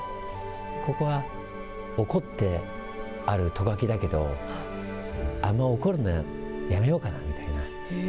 ここは怒ってあるト書きだけど、あんま、怒るのやめようかなみたいな。